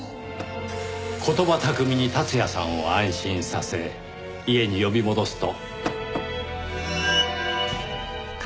言葉巧みに達也さんを安心させ家に呼び戻すと。